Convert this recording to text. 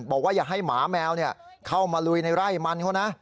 อย่าให้หมาแมวเข้ามาลุยในไร่มันเขานะ